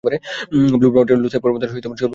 Blue Mountain Lushai পর্বতমালার সর্বোচ্চ শিখর।